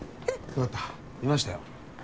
よかったいましたよ。